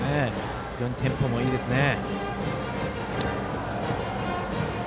非常にテンポもいいですね。